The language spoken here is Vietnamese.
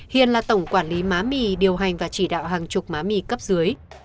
hiện là tổng quản lý má mì điều hành và chỉ đạo hàng chục má mì cấp dưới